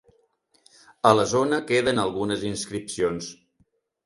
A la zona queden algunes inscripcions.